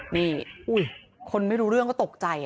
นี่คนไม่รู้เรื่องก็ตกใจ